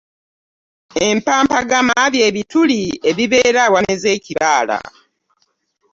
Empampagama bye bituli ebibeera awameze ekibaala.